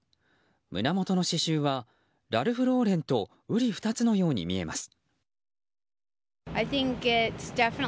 胸元の刺しゅうはラルフローレンと瓜二つのように見えます。